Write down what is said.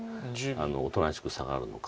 おとなしくサガるのか。